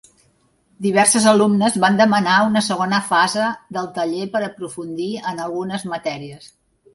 Diverses alumnes van demanar una segona fase del taller per aprofundir en algunes matèries.